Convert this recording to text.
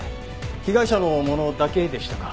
被害者のものだけでしたか？